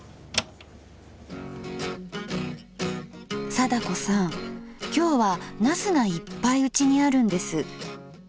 貞子さん今日は茄子がいっぱいうちにあるんです。